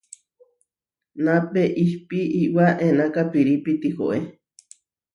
Napé ihpí Iʼwá enaká pirípi tihoé.